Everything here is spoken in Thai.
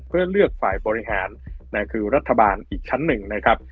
เพื่อเลือกฝ่ายบริหารคือรัฐบาลอีกชั้นหนึ่งนะครับ